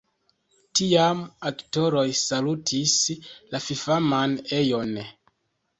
Tiam aktoroj salutis la fifaman ejon.